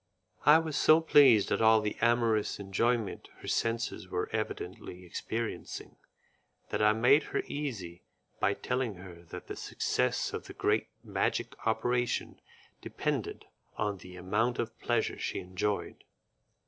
I was so pleased at all the amorous enjoyment her senses were evidently experiencing, that I made her easy by telling her that the success of the great magic operation depended upon the amount of pleasure she enjoyed.